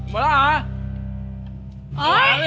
มาคุณหมดแล้วเหรอ